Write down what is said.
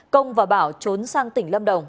công và bảo trốn sang tỉnh lâm đồng